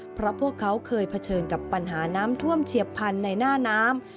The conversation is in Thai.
เพราะพวกเขาเคยเผชิญกับปัญหาน้ำท่วมเฉียบพันธุ์ในหน้าน้ำ